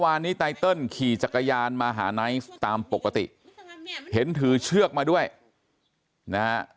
วันนี้ไตเติลขี่จักรยานมาหาไนท์ตามปกติเห็นถือเชือกมาด้วยนะฮะ